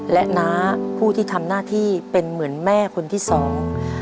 และน้าผู้ที่ทำหน้าที่เป็นเหมือนแม่คนที่สอง